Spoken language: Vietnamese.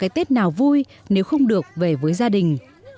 cái tết nào vui nếu không được về với gia đình